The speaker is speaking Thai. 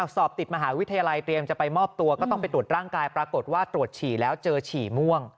สอบติดมหาวิทยาลัยเตรียมจะไปมอบตัวก็ต้องไปตรวจร่างกายปรากฏว่าตรวจฉี่แล้วเจอฉี่ม่วง